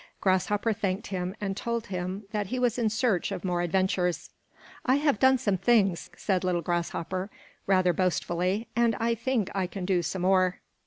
Grasshopper thanked him and told him that he was in search of more adventures. "I have done some things," said little Grasshopper, rather boastfully, "and I think I can do some more."